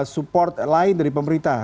support lain dari pemerintah